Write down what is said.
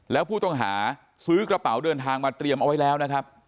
แล้วผู้ต้องหาซื้อกระเป๋าเดินทางมาเตรียมเอาไว้แล้วนะครับ